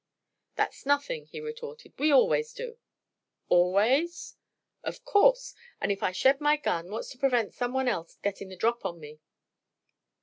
"That's nothing," he retorted. "We always do." "Always?" "Of course. And if I shed my gun what's to prevent some one else getting the drop on me?"